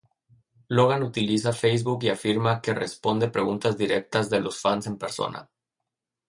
Logan utiliza Facebook y afirma que responde preguntas directas de los fans en persona.